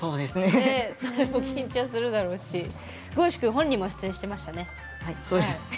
それも緊張するだろうしｇｏ‐ｓｈｕ君本人も出演していましたね。